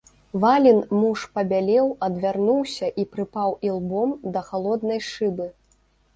Валін муж пабялеў, адвярнуўся і прыпаў ілбом да халоднай шыбы.